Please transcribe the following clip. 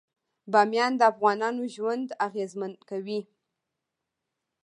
بامیان د افغانانو ژوند اغېزمن کوي.